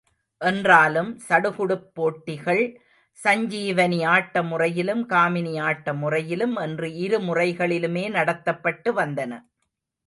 என்றாலும், சடுகுடுப் போட்டிகள் சஞ்சீவனி ஆட்ட முறையிலும், காமினி ஆட்ட முறையிலும் என்று இரு முறைகளிலுமே நடத்தப்பட்டு வந்தன.